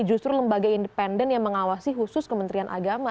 justru lembaga independen yang mengawasi khusus kementerian agama